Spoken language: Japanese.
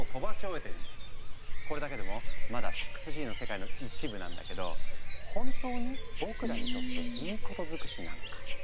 これだけでもまだ６Ｇの世界の一部なんだけど本当に僕らにとっていいことづくしなのか。